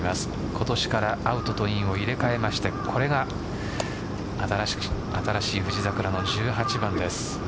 今年からアウトとインを入れ替えましてこれが新しい富士桜の１８番です。